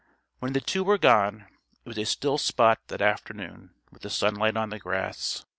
When the two were gone, it was a still spot that afternoon with the sunlight on the grass.